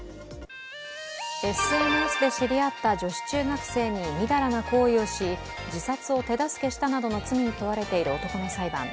ＳＮＳで知り合った女子中学生に淫らな行為をし自殺を手助けしたなどの罪に問われている男の裁判。